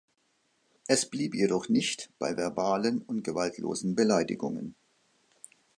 Es blieb jedoch nicht bei verbalen und gewaltlosen Beleidigungen.